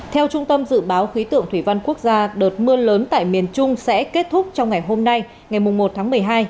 theo trung tâm dự báo khí tượng thủy văn quốc gia đợt mưa lớn tại miền trung sẽ kết thúc trong ngày hôm nay ngày một tháng một mươi hai